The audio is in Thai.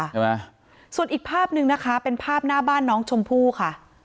ใช่ไหมส่วนอีกภาพหนึ่งนะคะเป็นภาพหน้าบ้านน้องชมพู่ค่ะ